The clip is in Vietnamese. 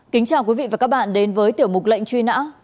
kính chào quý vị và các bạn đến với tiểu mục lệnh truy nã